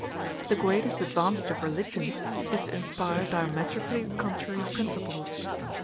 The greatest advantage of religion is to inspire diametrically contrary principles.